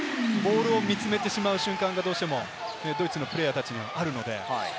ボールを見つめてしまう瞬間がどうしてもドイツのプレーヤーはあるので。